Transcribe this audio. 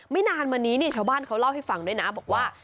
นานมานี้เนี่ยชาวบ้านเขาเล่าให้ฟังด้วยนะบอกว่า